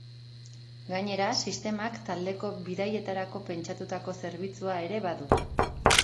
Gainera, sistemak taldeko bidaietarako pentsatutako zerbitzua ere badu.